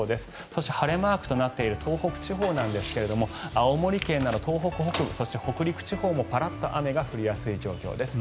そして晴れマークとなっている東北地方なんですが青森県など東北北部そして北陸地方もパラッと雨が降りやすい状況です